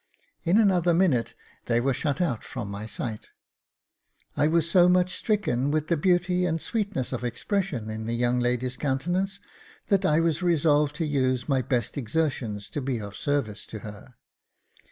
In another minute they were shut out from my sight. I was so much stricken with the beauty and sweetness of expression in the young lady's countenance that I was resolved to use my best exertions to be of service to her.